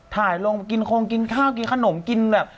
ถ่ายลงกินโครงกินข้าวกินขนมกินแบบ